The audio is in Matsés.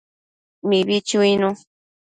Mibi chuinu